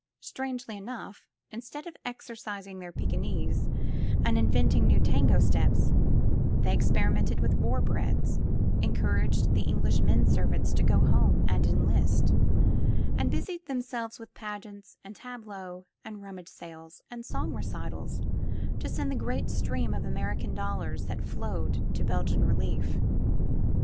Strangely enough, instead of exercising their Pekinese and inventing new tango steps, they experimented with war breads, encouraged the English men servants to go home and enlist, and busied themselves with pageants and tableaux and rummage sales and song recitals to send the great stream of American dollars that flowed to Belgian relief.